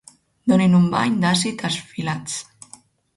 Donin un bany d'àcid als filats.